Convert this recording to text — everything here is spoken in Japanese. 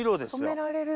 染められる。